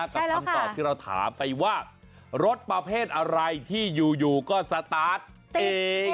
คำตอบที่เราถามไปว่ารถประเภทอะไรที่อยู่ก็สตาร์ทเอง